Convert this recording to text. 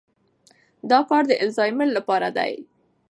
دا کار د الزایمر لپاره دی.